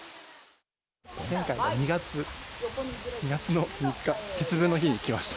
前回が２月の３日節分の日に来ました。